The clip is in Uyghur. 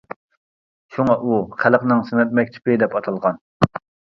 شۇڭا ئۇ «خەلقنىڭ سەنئەت مەكتىپى» دەپ ئاتالغان.